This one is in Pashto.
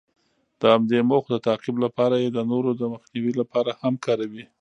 د همدې موخو د تعقیب لپاره یې د نورو د مخنیوي لپاره هم کاروي.